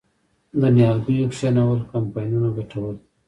د نیالګیو کینول کمپاینونه ګټور دي؟